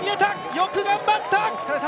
よく頑張った！